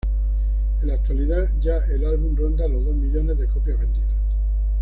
En la actualidad, ya el álbum ronda los dos millones de copias vendidas.